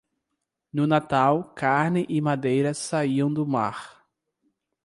No Natal, carne e madeira saíam do mar.